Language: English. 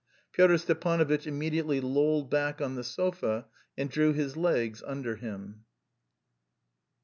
Pyotr Stepanovitch immediately lolled back on the sofa and drew his legs under him.